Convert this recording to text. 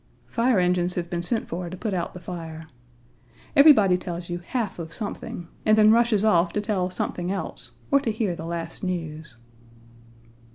Fire engines have been sent for to put out the fire. Everybody tells you half of something and then rushes off to tell something else or to hear the last news.